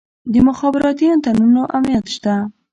د مخابراتي انتنونو امنیت شته؟